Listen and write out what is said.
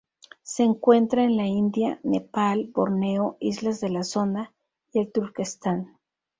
Se encuentra en la India, Nepal, Borneo, islas de la Sonda y el Turquestán.